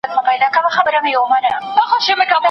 ما چي جهاني قدم اخیستی دی اورونه دي